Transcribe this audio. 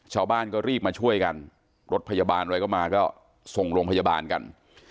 ชาวบ้านก็รีบมาช่วยกันรถพยาบาลอะไรก็มาก็ส่งโรงพยาบาลกัน